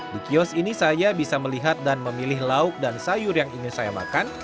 di kios ini saya bisa melihat dan memilih lauk dan sayur yang ingin saya makan